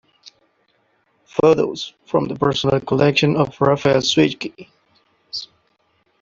Photos from the personal collection of Rafal Swiecki.